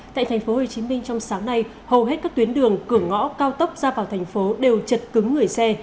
tại tp hcm trong sáng nay hầu hết các tuyến đường cửa ngõ cao tốc ra vào thành phố đều chật cứng người xe